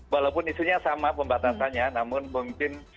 walaupun isunya sama pembatasannya namun mungkin